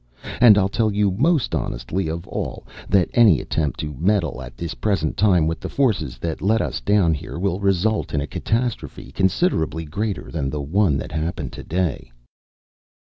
And I'll tell you most honestly of all that any attempt to meddle at this present time with the forces that let us down here will result in a catastrophe considerably greater than the one that happened to day."